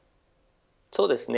そうですね。